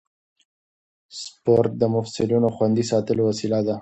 سپورت د مفصلونو خوندي ساتلو وسیله ده.